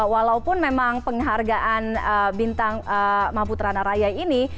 walaupun memang penghargaan bintang maputrana raya ini